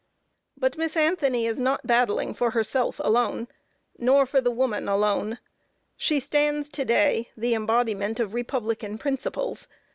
But Miss Anthony is not battling for herself alone, nor for the woman alone; she stands to day, the embodiment of Republican principles.